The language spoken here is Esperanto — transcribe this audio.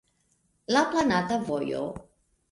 La planata vojo.